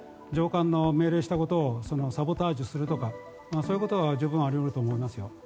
上官が命令したことをサボタージュするとかそういうことは十分あり得ると思います。